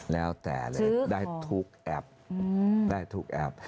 แล้วแต่เลยได้ทุกแอป